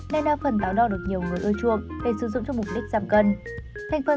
nên đa phần táo đỏ được nhiều người ưa chuộng để sử dụng cho mục đích giảm cân